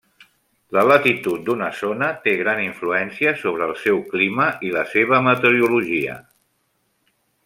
La latitud d'una zona té gran influència sobre el seu clima i la seva meteorologia.